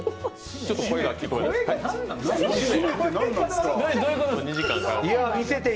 ちょっと声が聞こえない。